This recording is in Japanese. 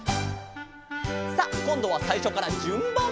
「」さあこんどはさいしょからじゅんばん！